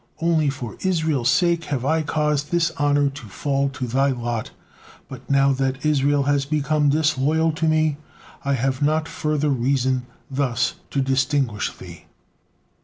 Only for Israel's sake have I caused this honor to fall to thy lot, but now that Israel has become disloyal to Me, I have not further reason thus to distinguish thee."